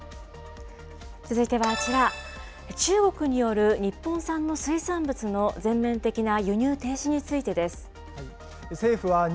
続いてはあちら、中国による日本産の水産物の全面的な輸入停止についてです。